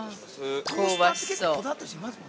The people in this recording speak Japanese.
香ばしそう。